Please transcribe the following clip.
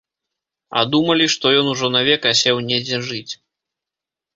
А думалі, што ён ужо навек асеў недзе жыць.